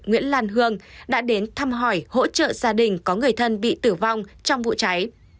nguyễn lan hương đã đến thăm hỏi hỗ trợ gia đình có người thân bị tử vong trong vụ cháy